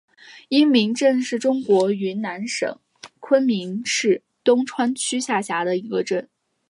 因民镇是中国云南省昆明市东川区下辖的一个镇。